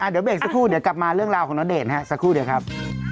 เดี๋ยวเบรกสักครู่เดี๋ยวกลับมาเรื่องราวของณเดชน์สักครู่เดี๋ยวครับ